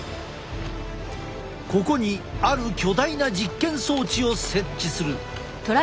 ここにある巨大な実験装置を設置する。